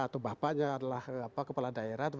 atau bapaknya adalah kepala daerah